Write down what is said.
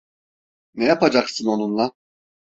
Ne yapacaksın onunla?